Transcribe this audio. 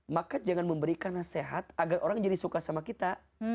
maka jangan memberikan nasihat agar orang jadi suka sama kita